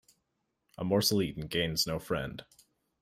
A morsel eaten gains no friend.